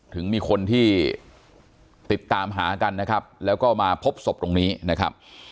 ถึงมีคนที่ติดตามหากันนะครับแล้วก็มาพบศพตรงนี้นะครับ